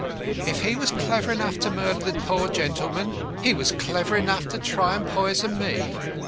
"If he was clever enough to murder the poor gentleman, he was clever enough to try and poison me."